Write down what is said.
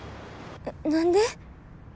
何で？